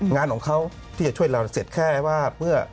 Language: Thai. งานของเขาที่จะช่วยเราเสร็จแค่ว่าเพื่อ